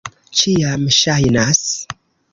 Ĉiam ŝajnas.